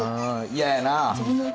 嫌やな。